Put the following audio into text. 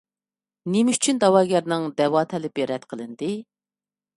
نېمە ئۈچۈن دەۋاگەرنىڭ دەۋا تەلىپى رەت قىلىندى؟